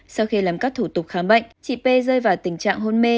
sau khi làm các thủ tục khám bệnh chị p rơi vào tình trạng hôn mê